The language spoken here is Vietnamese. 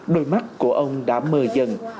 đôi mắt của ông đã mờ dần